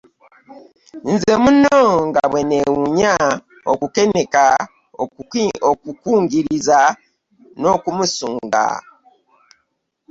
Nze munno nga bwe nneewuunya, okukeneka, okukungiriza n'okumusunga.